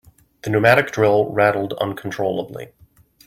The pneumatic drill rattled uncontrollably.